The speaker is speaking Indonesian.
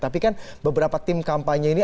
tapi kan beberapa tim kampanye ini